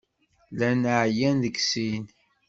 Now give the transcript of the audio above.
Llan ɛyan deg sin.